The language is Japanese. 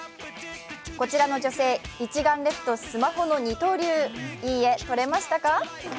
こちらの女性、一眼レフとスマホの二刀流、いい画、撮れましたか？